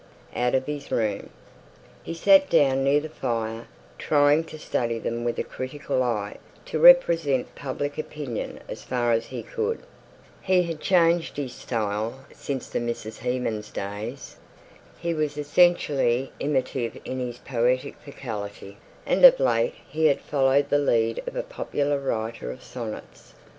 out of his room. He sate down near the fire, trying to study them with a critical eye, to represent public opinion as far as he could. He had changed his style since the Mrs. Hemans' days. He was essentially imitative in his poetic faculty; and of late he had followed the lead of a popular writer of sonnets.